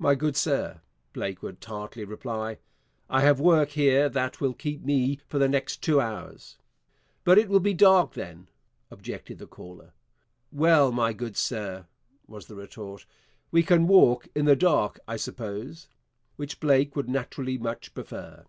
'My good sir,' Blake would tartly reply, 'I have work here that will keep me for the next two hours.' 'But it will be dark then,' objected the caller. 'Well, my good sir,' was the retort, 'we can walk in the dark, I suppose' which Blake would naturally much prefer.